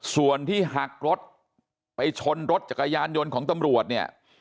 ส่วนที่หักรถไปชนรถจักรยานยนต์ของตำรวจเนี่ย